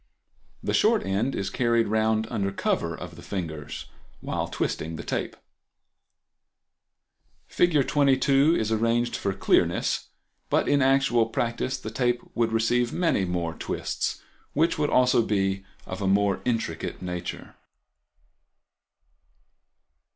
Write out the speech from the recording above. The short end is carried round under cover of the fingers while twisting the tape. Fig. 22. Method of Folding Tape. Fig. 22 is arranged for clearness, but in actual practice the tape would receive many more twists, which would also be of a more intricate nature.